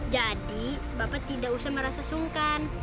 jadi bapak tidak usah merasa sungkan